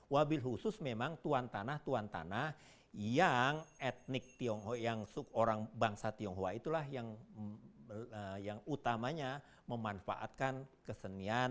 wabil khusus memang tuan tanah tuan tanah yang etnik tionghoa yang orang bangsa tionghoa itulah yang utamanya memanfaatkan kesenian